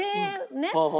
ねっ。